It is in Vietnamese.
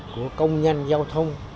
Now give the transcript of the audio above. của công nhân giao thông